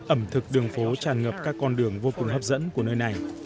ẩm thực đường phố tràn ngập các con đường vô cùng hấp dẫn của nơi này